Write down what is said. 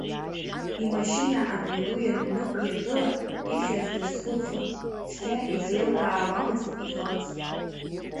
Имашьына амҩаду ианнықәиргыла, ихьыз дазхәыцуан, цқьа изеилкаауамызт иҟалаз.